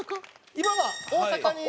今は大阪に。